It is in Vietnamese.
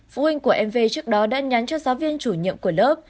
phụ huynh của em v trước đó đã nhắn cho giáo viên chủ nhiệm của lớp